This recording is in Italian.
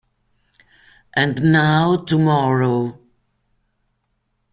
And Now Tomorrow